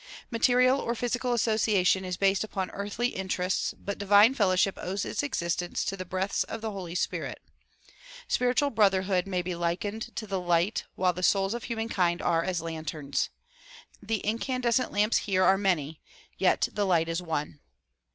Material or physical association is based upon earthly interests but divine fellowship owes its existence to the breaths of the Holy Spirit. Spiritual brotherhood may be 126 THE PROMULGATION OF UNIVERSAL PEACE likened to the light while the souls of humankind are as lanterns. The incandescent lamps here are many, yet the light is one.